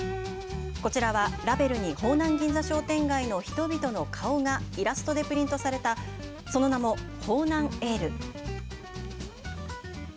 こちらは、ラベルに方南銀座商店街の人々の顔が、イラストでプリントされたその名も方南エール。